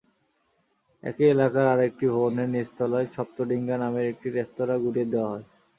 একই এলাকার আরেকটি ভবনের নিচতলায় সপ্তডিঙ্গা নামের একটি রেস্তোরাঁ গুঁড়িয়ে দেওয়া হয়।